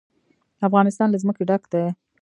افغانستان له ځمکه ډک دی.